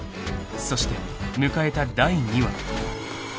［そして迎えた第２話］